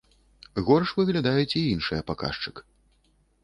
Горш выглядаюць і іншыя паказчык.